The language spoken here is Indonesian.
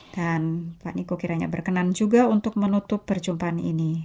dan pak niko kiranya berkenan juga untuk menutup perjumpaan ini